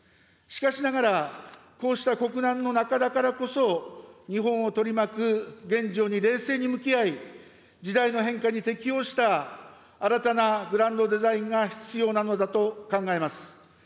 しかしながら、こうした国難の中だからこそ、日本を取り巻く現状に冷静に向き合い、時代の変化に適応した新たなグランドデザインが必要なのだと考えます。